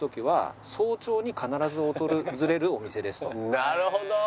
なるほど。